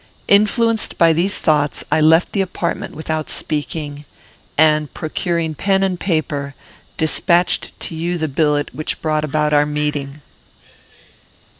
Influenced by these thoughts, I left the apartment without speaking; and, procuring pen and paper, despatched to you the billet which brought about our meeting.